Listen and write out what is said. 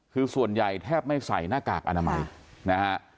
คือส่วนใหญ่แทบไม่ใส่หน้ากากอนามัยนะฮะ